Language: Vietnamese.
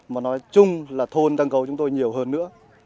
mà nói chung là thôn tăng cầu chúng tôi nhiều hơn nữa